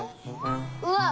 うわっ！